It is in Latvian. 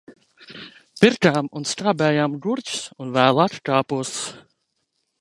Pirkām un skābējām gurķus un vēlāk kāpostus.